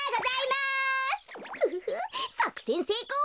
フフフさくせんせいこう。